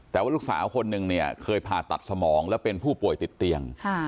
แต่ว่าลูกสาวคนนึงเนี่ยเคยผ่าตัดสมองแล้วเป็นผู้ป่วยติดเตียง